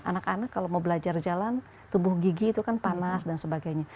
anak anak kalau mau belajar jalan tubuh gigi itu kan panas dan sebagainya